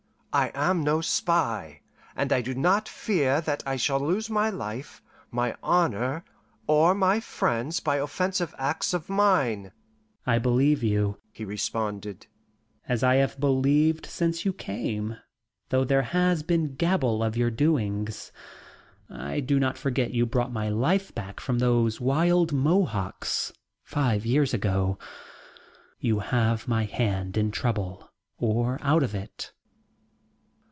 "I am no spy, and I do not fear that I shall lose my life, my honour, or my friends by offensive acts of mine." "I believe you," he responded, "as I have believed since you came, though there has been gabble of your doings. I do not forget you bought my life back from those wild Mohawks five years ago. You have my hand in trouble or out of it."